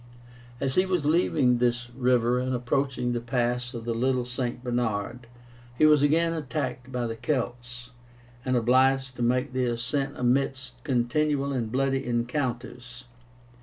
As he was leaving this river and approaching the pass of the Little St. Bernard, he was again attacked by the Celts, and obliged to make the ascent amidst continual and bloody encounters.